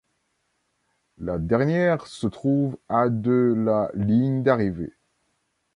La dernière se trouve à de la ligne d'arrivée.